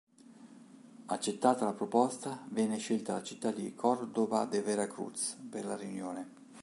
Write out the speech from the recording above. Accettata la proposta, venne scelta la città di Córdoba de Veracruz per la riunione.